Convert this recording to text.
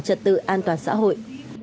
trật tự an toàn xã hội